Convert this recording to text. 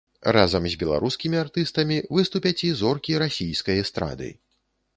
Разам з беларускімі артыстамі выступяць і зоркі расійскай эстрады.